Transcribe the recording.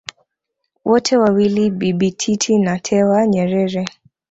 wote wawili Bibi Titi na Tewa Nyerere